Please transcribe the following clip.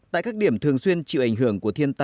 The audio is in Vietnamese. tại các điểm thường xuyên chịu ảnh hưởng của thiên tai